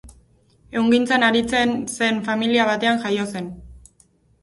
Ehungintzan aritzen zen familia batean jaio zen.